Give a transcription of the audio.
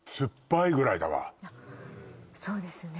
そうですね